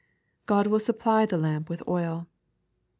God wiU suftply ihe lamp with oil.